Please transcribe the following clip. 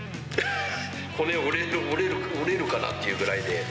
骨折れるかなっていうぐらいで。